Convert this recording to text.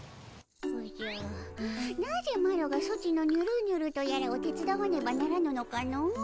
おじゃなぜマロがソチのニュルニュルとやらを手伝わねばならぬのかの。